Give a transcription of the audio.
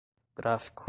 gráfico